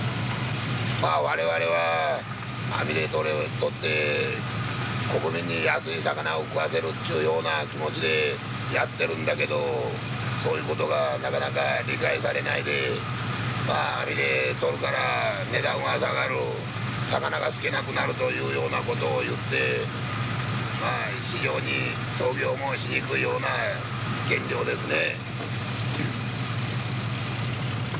まあ我々は網で取って国民に安い魚を食わせるっちゅうような気持ちでやってるんだけどそういうことがなかなか理解されないでまあ網で取るから値段は下がる魚が少なくなるというようなことを言ってまあ非常に操業もしにくいような現状ですね。